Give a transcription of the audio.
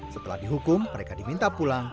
setelah dihukum mereka diminta pulang